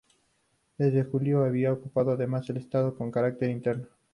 Desde julio había ocupado además la de Estado con carácter interino.